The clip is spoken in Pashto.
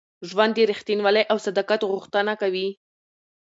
ژوند د رښتینولۍ او صداقت غوښتنه کوي.